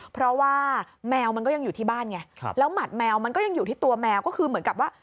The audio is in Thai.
เพราะว่าแมวมันก็ยังอยู่ที่บ้านไงแล้วหมัดแมวมันก็ยังอยู่ที่ตัวแมวก็คือเหมือนกับว่า